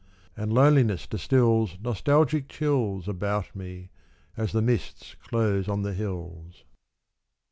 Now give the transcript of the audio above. And loneliness distils Nostalgic chills About me as the mists close on the hills.